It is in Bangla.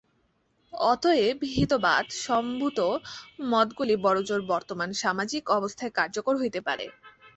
অতএব হিতবাদ-সম্ভূত মতগুলি বড়জোর বর্তমান সামাজিক অবস্থায় কার্যকর হইতে পারে।